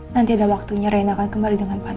nanti ada waktunya reina akan kembali dengan pak nino